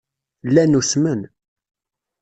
Llan usmen.